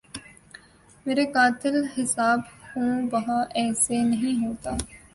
مرے قاتل حساب خوں بہا ایسے نہیں ہوتا